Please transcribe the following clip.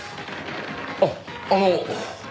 あっあの。